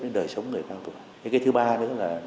cái đời sống người cao tuổi cái thứ ba nữa là